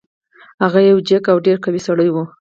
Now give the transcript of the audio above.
هغه یو جګ او ډیر قوي سړی و.